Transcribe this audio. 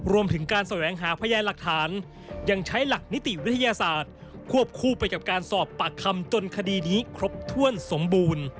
รวมถึงการแสวงหาพยานหลักฐานยังใช้หลักนิติวิทยาศาสตร์ควบคู่ไปกับการสอบปากคำจนคดีนี้ครบถ้วนสมบูรณ์